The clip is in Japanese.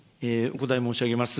お答え申し上げます。